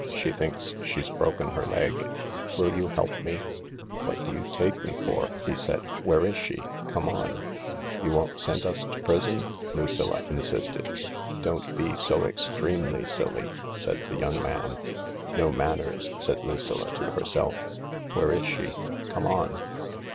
She thinks she's broken her leg. Will you help me ?"" What do you take me for ?" he said. tf Where is she ? Come on !"" You won't send us to prison ?" Lucilla insisted. "Don't be so extremely silly," said the young man. (" No manners," said Lucilla to herself.) " Where is she ? Come on."